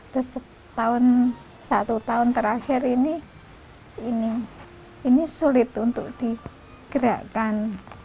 terus satu tahun terakhir ini ini sulit untuk digerakkan